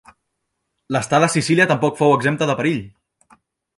L’estada a Sicília tampoc fou exempta de perill.